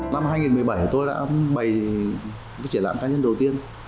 năm hai nghìn một mươi bảy tôi đã bày triển lãm cá nhân đầu tiên